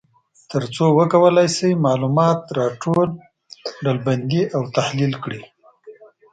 تر څو وکولای شي معلومات را ټول، ډلبندي او تحلیل کړي.